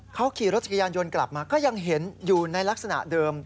เขาขี่รถจักรยานยนต์กลับมาก็ยังเห็นอยู่ในลักษณะเดิม